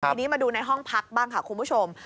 ทีนี้มาดูในห้องพักบ้างค่ะคุณผู้ชม